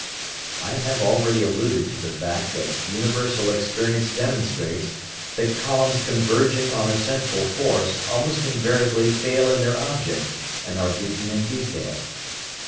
I have already alluded to the fact that universal experience demonstrates that columns converging on a central force almost invariably fail in their object and are beaten in detail.